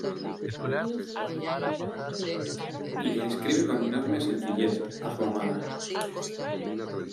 Le escribe con enorme sencillez, a su amada.